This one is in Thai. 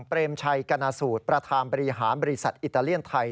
เปรมชัยกรณสูตรประธานบริหารบริษัทอิตาเลียนไทย